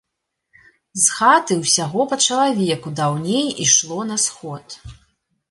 З хаты ўсяго па чалавеку даўней ішло на сход.